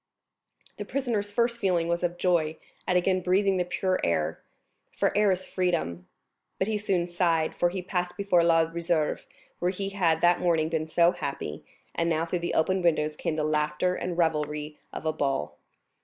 The prisoner's first feeling was of joy at again breathing the pure air—for air is freedom; but he soon sighed, for he passed before La Réserve, where he had that morning been so happy, and now through the open windows came the laughter and revelry of a ball.